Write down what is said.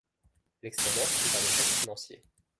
L'expérience fut un échec financier.